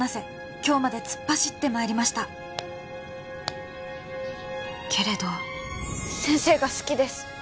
今日まで突っ走ってまいりましたけれど先生が好きです